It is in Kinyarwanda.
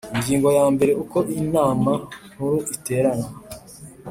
Ingingo ya mbere Uko Inama Nkuru iterana